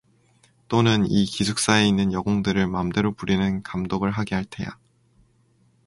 또는 이 기숙사에 있는 여공들을 맘대로 부리는 감독을 하게 할 테야.